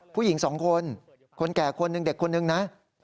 ผู้หญิงสองคนคนแก่คนหนึ่งเด็กคนนึงนะ